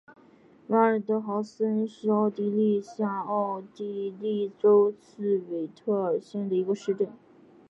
瓦尔德豪森是奥地利下奥地利州茨韦特尔县的一个市镇。